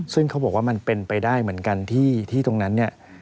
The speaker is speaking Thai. ซึ่งเขาบอกว่ามันเป็นไปได้เหมือนกันที่ตรงนั้นเนี่ย